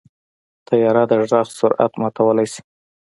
طیاره د غږ سرعت ماتولی شي.